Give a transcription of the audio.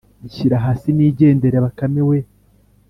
nshyira hasi nigendere bakame we